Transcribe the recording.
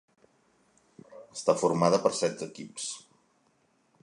Està formada per set equips.